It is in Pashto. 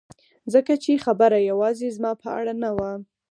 ځکه چې خبره یوازې زما په اړه نه وه